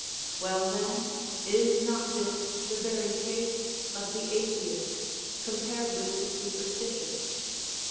6. ΛVell then, is not this the very case of the atheist, compared with the superstitious